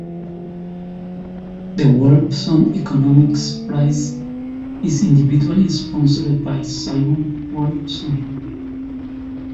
The Wolfson Economics Prize is individually sponsored by Simon Wolfson.